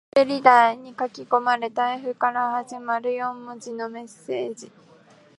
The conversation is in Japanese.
滑り台に書き込まれた Ｆ から始まる四文字のメッセージ